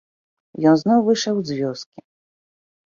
Ён зноў выйшаў з вёскі.